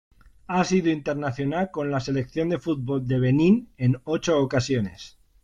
Ha sido internacional con la Selección de fútbol de Benín en ocho ocasiones.